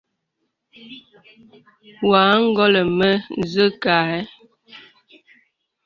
Wɔ a nkɔlə mə zə̀ kâ ə̀.